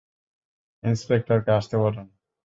ইন্সপেক্টরকে আসতে বলুন।